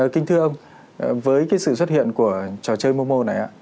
kinh thưa ông với sự xuất hiện của trò chơi momo này